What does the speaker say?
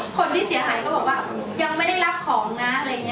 คนที่เสียอายยังไม่ได้รับของนะ